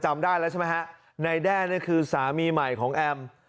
จำได้แล้วใช่ไหมฮะนายแด้นี่คือสามีใหม่ของแอม